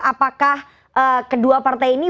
apakah kedua partai ini